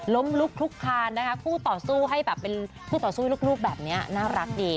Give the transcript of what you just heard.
ล้มลุกทุกครานคู่ต่อสู้ให้ลูกแบบนี้น่ารักดี